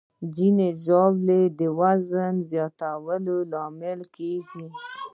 ځینې ژاولې د وزن زیاتوالي لامل کېږي.